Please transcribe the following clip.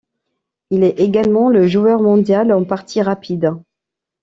Il est également le joueur mondial en parties rapides.